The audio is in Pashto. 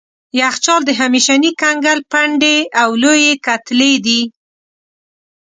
یخچال د همیشني کنګل پنډې او لويې کتلې دي.